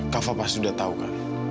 kava pasti udah tahu kak